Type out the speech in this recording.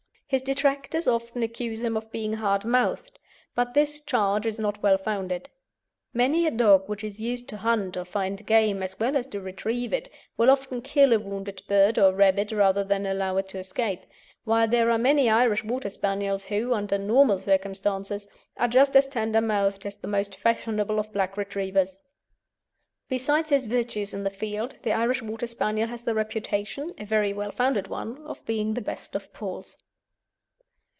His detractors often accuse him of being hard mouthed, but this charge is not well founded. Many a dog which is used to hunt or find game as well as to retrieve it, will often kill a wounded bird or rabbit rather than allow it to escape, while there are many Irish Water Spaniels who, under normal circumstances, are just as tender mouthed as the most fashionable of black Retrievers. Besides his virtues in the field, the Irish Water Spaniel has the reputation a very well founded one of being the best of pals.